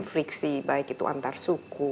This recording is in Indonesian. friksi baik itu antar suku